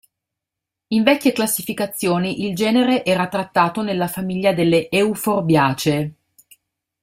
In vecchie classificazioni il genere era trattato nella famiglia delle Euphorbiaceae.